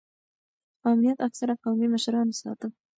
امنیت اکثره قومي مشرانو ساته.